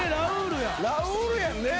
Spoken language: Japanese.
ラウールやんね！